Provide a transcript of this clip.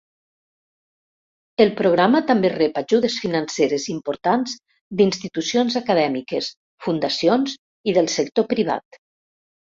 El programa també rep ajudes financeres importants d'institucions acadèmiques, fundacions i del sector privat.